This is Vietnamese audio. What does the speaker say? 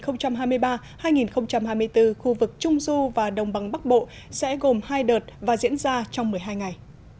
hai nghìn hai mươi bốn khu vực trung du và đồng bằng bắc bộ sẽ gồm hai đợt và diễn ra trong một mươi hai ngày